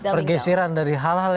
pergeseran dari hal hal